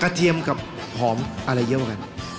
เทียมกับหอมอะไรเยอะกว่ากัน